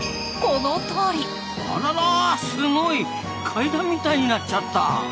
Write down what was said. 階段みたいになっちゃった。